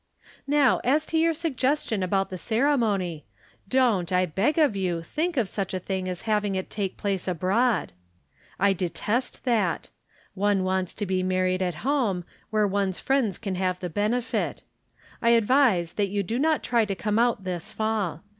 Now, as to your suggestion about the cere mony, don't, I beg of you, think of such a thing as having it take place abroad. I detest that ; one wants to be married at home, where one's friends can have the benefit. I advise that you do not try to come out this fall.